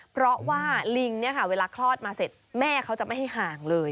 เพราะว่าลิงเนี่ยค่ะเวลาคลอดมาเสร็จแม่เขาจะไม่ให้ห่างเลย